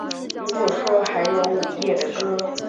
如果说还有午夜的歌